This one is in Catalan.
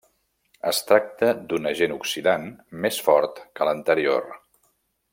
Es tracta d'un agent oxidant més fort que l'anterior.